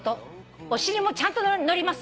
「お尻もちゃんと乗りますよ」